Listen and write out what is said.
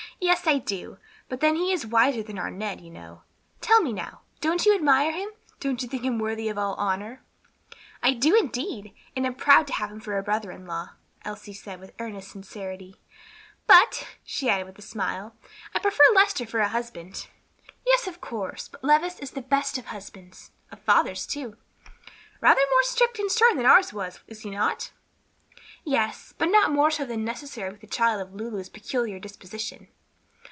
"Yes, I do, but then he is wiser than our Ned, you know. Tell me now, don't you admire him? don't you think him worthy of all honor?" "I do, indeed, and am proud to have him for a brother in law," Elsie said with earnest sincerity; "but," she added with a smile, "I prefer Lester for a husband." "Yes, of course, but Levis is the best of husbands of fathers, too." "Rather more strict and stern than ours was, is he not?" "Yes, but not more so than necessary with a child of Lulu's peculiar disposition."